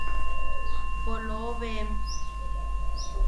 ¡Poloobem!